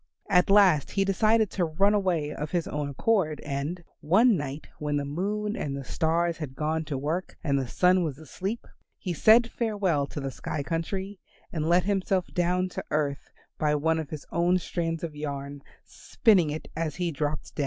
At last he decided to run away of his own accord, and, one night when the Moon and the Stars had gone to work and the Sun was asleep, he said farewell to the sky country and let himself down to earth by one of his own strands of yarn, spinning it as he dropped down.